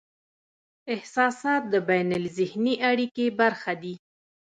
احساسات د بینالذهني اړیکې برخه دي.